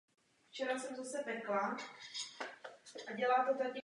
Mary Jane se během své svatby rozejde s Johnem a zamíří do Petera bytu.